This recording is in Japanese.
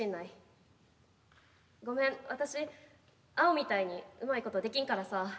ごめん私アオみたいにうまいことできんからさあ。